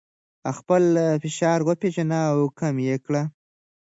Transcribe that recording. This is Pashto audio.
خپل فشار وپیژنئ او کم یې کړئ.